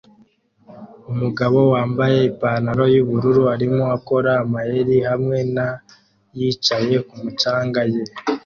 Umugabo wambaye ipantaro yubururu arimo akora amayeri hamwe na yicaye kumu canga ye